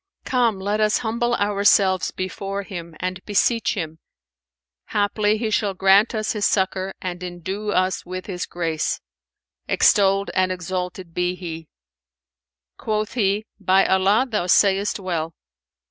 Come, let us humble ourselves before Him and beseech Him: haply He shall grant us His succour and endue us with His grace, extolled and exalted be He!" Quoth he, "By Allah, thou sayest well!"